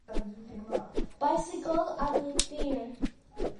Baisikal an i phirh.